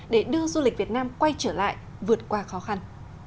để đưa du lịch việt nam quay trở lại vượt qua khó khăn